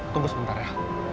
tunggu sebentar ya